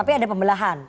tapi ada pembelahan